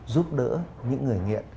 giúp đỡ những người nghiện